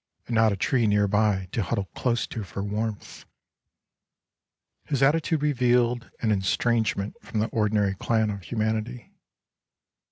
And not a tree nearby to huddle close to for warmth! His attitude revealed an estrangement from the ordinary clan of human ity.